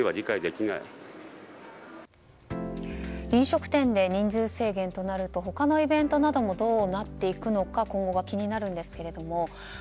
飲食店で人数制限となると他のイベントなどもどうなっていくのか今後が気になるんですけども。